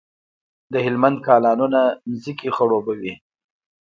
د هلمند کانالونه ځمکې خړوبوي.